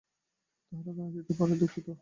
তাহারা না আসিতে পারায় আমি দুঃখিত।